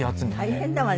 大変だわ。